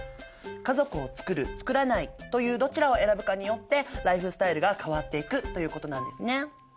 家族を作る作らないというどちらを選ぶかによってライフスタイルが変わっていくということなんですね。